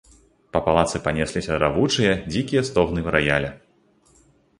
Па палацы панесліся равучыя, дзікія стогны раяля.